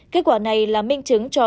kết quả này là minh chứng cho